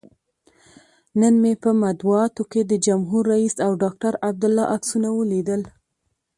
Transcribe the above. نن مې په مطبوعاتو کې د جمهور رئیس او ډاکتر عبدالله عکسونه ولیدل.